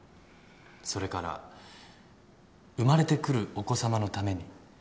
それから生まれてくるお子様のためにも。